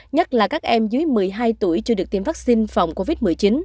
nhất là các em dưới một mươi hai tuổi chưa được tiêm vaccine phòng covid một mươi chín